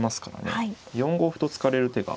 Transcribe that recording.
４五歩と突かれる手が。